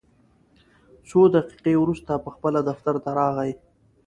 څو دقیقې وروسته پخپله دفتر ته راغی.